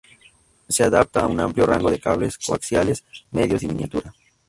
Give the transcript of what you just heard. Se adapta a un amplio rango de cables coaxiales, medios y miniatura.